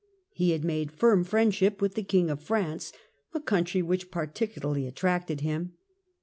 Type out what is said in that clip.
He had made firm friendship with the King of France, a country which particularly attracted him.